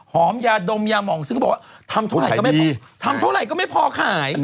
หอมหยาดมยาหมองซึ้งก็บอกว่าทำเท่าไรก็ไม่พอขาย